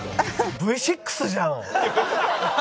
Ｖ６じゃん！